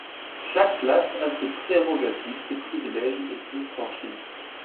Chaque classe a ses prérogatives, ses privilèges et ses franchises.